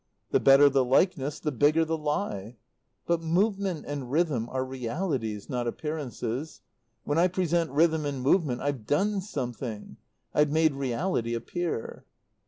The better the likeness the bigger the lie. But movement and rhythm are realities, not appearances. When I present rhythm and movement I've done something. I've made reality appear."